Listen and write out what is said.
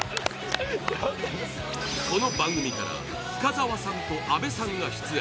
この番組から深澤さんと阿部さんが出演。